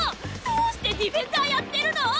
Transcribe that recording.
どうしてディフェンダーやってるの！？